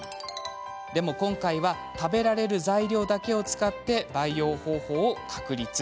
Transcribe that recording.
でも今回は食べられる材料だけを使って培養方法を確立。